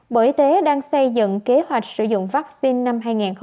bộ y tế đang xây dựng kế hoạch sử dụng vaccine năm hai nghìn hai mươi